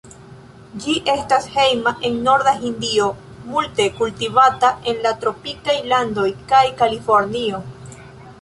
Ĝi estas hejma en Norda Hindio, multe kultivata en la tropikaj landoj kaj Kalifornio.